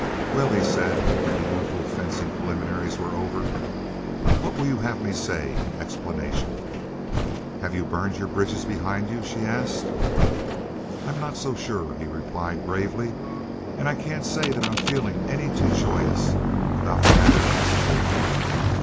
"Well," he said, when the usual fencing preliminaries were over, "what will you have me say in explanation?" "Have you burned your bridges behind you?" she asked. "I'm not so sure," he replied gravely. "And I can't say that I'm feeling any too joyous about the matter as a whole."